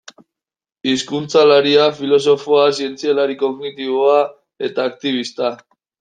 Hizkuntzalaria, filosofoa, zientzialari kognitiboa eta aktibista.